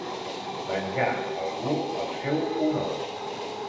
Venjar algú el seu honor.